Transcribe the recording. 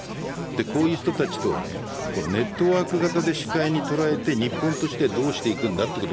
こういう人たちとネットワーク型で視界に捉えて日本人としてどうしていくのか。